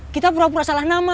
kita pura pura salah nama